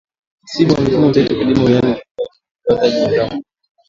msimu na mifumo mseto ya kilimo yaani ufugaji na ukuzaji wa mazao kwa pamoja